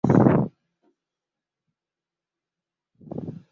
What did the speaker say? সোনালী পুনেতে জন্মগ্রহণ করেন।